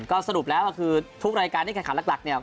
ก็สรุปแล้วก็คือทุกรายการที่แข่งขันหลักเนี่ย